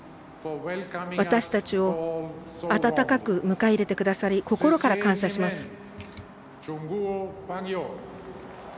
私たちを温かく迎え入れてくださり心から感謝します。